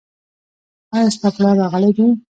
ایا ستا پلار راغلی دی ؟